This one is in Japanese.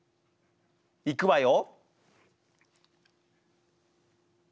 いくわよ！